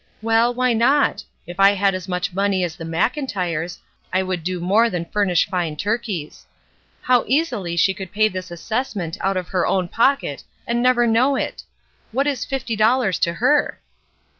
Well, why not ? If I had as much money as the Mclntyres, I would do more than furnish fine turkeys. How easily she could pay this assessment out of her own pocket and never know it! What is fifty dollars to her?''